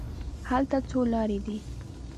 هلته څو لارې دي.